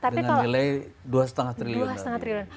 dengan nilai dua lima triliun